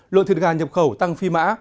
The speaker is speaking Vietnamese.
lượng thịt gà nhập khẩu tăng phi mã